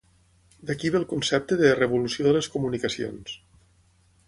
D'aquí ve el concepte de "revolució de les comunicacions".